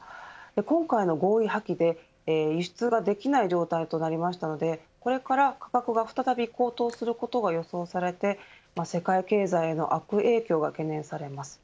今回の合意破棄で輸出ができない状態となりましたのでこれから価格が再び高騰することが予想されて世界経済への悪影響が懸念されます。